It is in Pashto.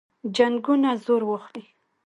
جنګونه زور واخلي.